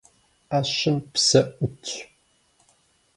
Ӏэщым псэ ӏутщ.